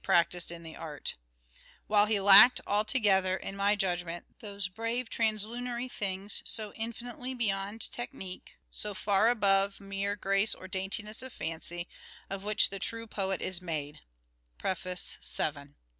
practised in the art ; while he lacked altogether in my judgement, ' those brave translunary things ' so infinitely beyond technique, so far above mere grace or daintiness of fancy, of which the true poet is made" (Preface vii).